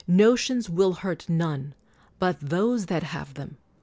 Notions will hurt none but those that have them.